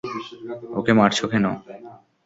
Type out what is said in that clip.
ওকে মারছো কেন?